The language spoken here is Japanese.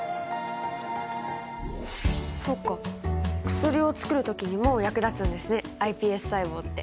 薬をつくる時にも役立つんですねｉＰＳ細胞って。